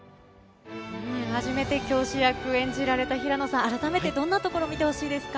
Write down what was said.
初めて教師役を演じられた平野さん、改めてどんなところ、見てほしいですか？